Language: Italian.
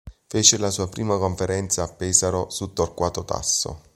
Fece la sua prima conferenza a Pesaro su Torquato Tasso.